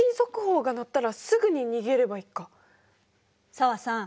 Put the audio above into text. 紗和さん